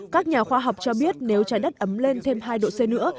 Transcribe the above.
các nhà khoa học cho biết nếu trái đất ấm lên thêm hai độ c nữa